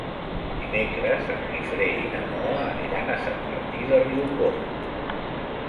Dimecres en Guifré i na Noa aniran a Sant Martí de Riucorb.